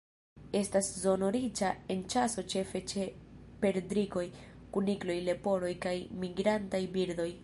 Estas zono riĉa en ĉaso ĉefe ĉe perdrikoj, kunikloj, leporoj kaj migrantaj birdoj.